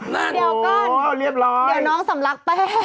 โหเดี๋ยวก่อนโหเรียบร้อยเดี๋ยวน้องสำลักแป้ง